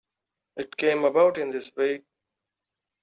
It came about in this way.